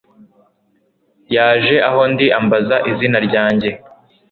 Yaje aho ndi ambaza izina ryanjye